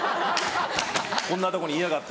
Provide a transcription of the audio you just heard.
「こんなとこにいやがって」。